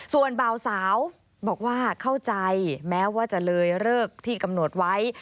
ส่วนบ่าวสาวบอกว่าเข้าใจแม้ว่าจะเลยเลิกที่กำหนดไว้